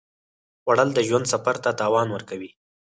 خوړل د ژوند سفر ته توان ورکوي